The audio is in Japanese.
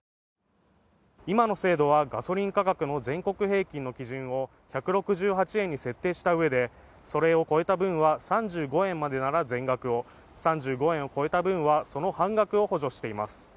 今の制度はガソリン価格の全国平均の基準を１６８円に設定したうえでそれを超えた分は３５円までなら全額を３５円を超えた分はその半額を補助しています